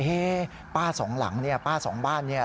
ป้าสองหลังเนี่ยป้าสองบ้านเนี่ย